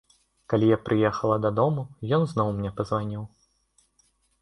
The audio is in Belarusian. Калі я прыехала дадому, ён зноў мне пазваніў.